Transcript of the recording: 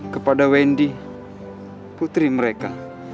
kepada wendy putri mereka